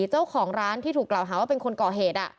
เจ้าของร้านที่ถูกกล่าวหาว่าเป็นคนก่อเหตุ